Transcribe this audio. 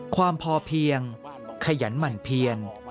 ความพอเพียงขยันหมั่นเพียน